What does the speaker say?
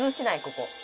ここ。